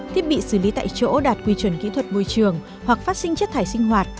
thiết bị xử lý tại chỗ đạt quy chuẩn kỹ thuật môi trường hoặc phát sinh chất thải sinh hoạt